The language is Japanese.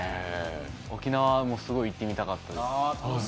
沖縄、すごい行ってみたかったです